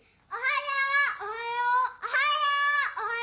おはよう！